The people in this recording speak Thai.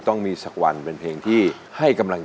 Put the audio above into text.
ต้องมีสักวันต้องมีสักวัน